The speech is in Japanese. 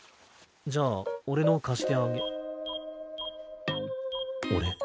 じゃあ俺の貸してあげ。